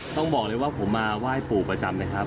ต้องบอกเลยว่าผมมาไหว้ปู่ประจำเลยครับ